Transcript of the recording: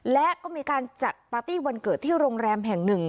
และก็มีการจัดปาร์ตี้วันเกิดที่โรงแรมแห่งหนึ่ง